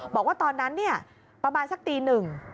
บอกว่าตอนนั้นเนี่ยประมาณสักตีหนึ่ง